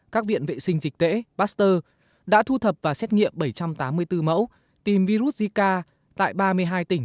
các viện vệ sinh dịch tễ ba tơ đã thu thập và xét nghiệm bảy trăm tám mươi bốn mẫu tìm virus zika tại ba mươi hai tỉnh